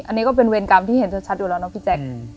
อันนี้ก็เป็นเวรกรรมที่เห็นชัดอยู่แล้วเนาะพี่แจ๊ค